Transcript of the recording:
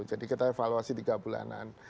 jadi kita evaluasi tiga bulanan